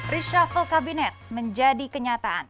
reshuffle kabinet menjadi kenyataan